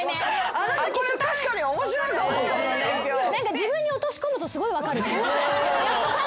自分に落とし込むとすごい分かるね。